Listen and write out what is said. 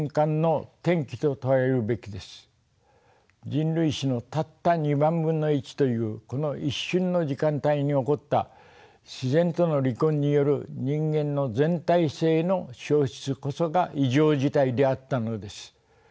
人類史のたった２万分の１というこの一瞬の時間帯に起こった自然との離婚による人間の全体性の消失こそが異常事態であったのです。